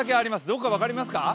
どこか分かりますか？